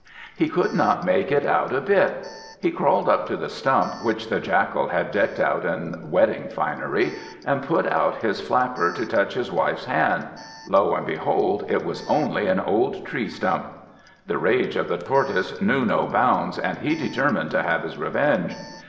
He could not make it out a bit. He crawled up to the stump which the Jackal had decked out in wedding finery, and put out his flapper to touch his wife's hand: lo and behold, it was only an old tree stump. The rage of the Tortoise knew no bounds, and he determined to have his revenge.